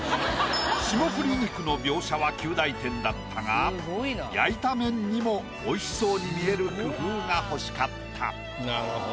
霜降り肉の描写は及第点だったが焼いた面にもおいしそうに見える工夫が欲しかった。